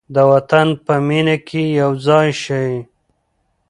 د وطن په مینه کې یو ځای شئ.